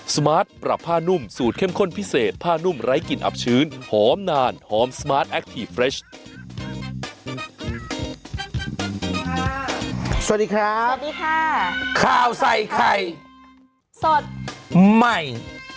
สวัสดีครับสวัสดีค่ะข้าวใส่ไข่สดใหม่